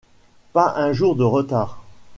Pas un jour de retard !